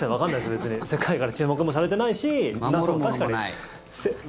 別に世界から注目もされてないし。